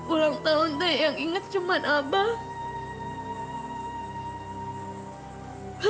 ulang tahun yang ingat cuman abah